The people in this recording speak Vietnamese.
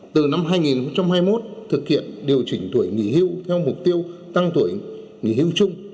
từ năm hai nghìn hai mươi một thực hiện điều chỉnh tuổi nghỉ hưu theo mục tiêu tăng tuổi nghỉ hưu chung